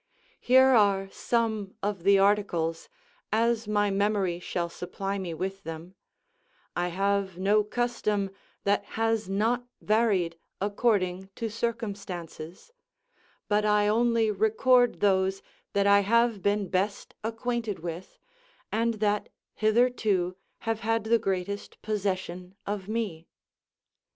Here are some of the articles, as my memory shall supply me with them; I have no custom that has not varied according to circumstances; but I only record those that I have been best acquainted with, and that hitherto have had the greatest possession of me.